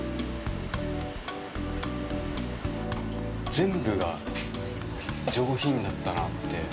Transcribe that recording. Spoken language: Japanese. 全部が上品だったなって。